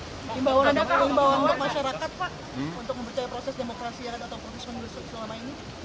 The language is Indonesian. ada keimbangan untuk masyarakat pak untuk mempercaya proses demokrasi atau proses pemilihan suara ini